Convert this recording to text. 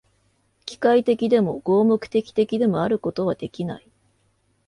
機械的でも、合目的的でもあることはできない。